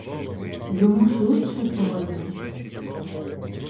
Йому ж лучче сьогодні?